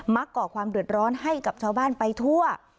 ก่อความเดือดร้อนให้กับชาวบ้านไปทั่ว